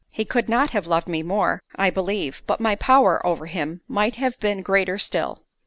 He could not have loved me more, I believe: but my power over him might have been greater still.